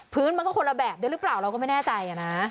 มันก็คนละแบบด้วยหรือเปล่าเราก็ไม่แน่ใจนะ